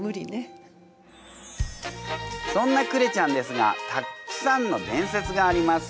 そんなクレちゃんですがたっくさんの伝説があります。